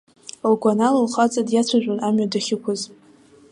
Лгәанала лхаҵа диацәажәон амҩа дахьықәыз.